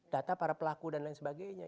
data para pelaku dan lain sebagainya